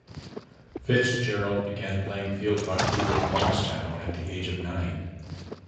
Fitzgerald began playing field hockey with Monkstown at the age of nine.